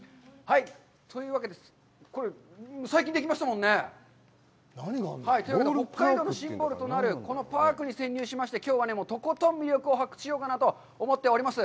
というわけで、これ、最近できましたもんね。というわけで、北海道のシンボルとなるこのパークに潜入しまして、きょうはとことん魅力を発掘しようと思っております。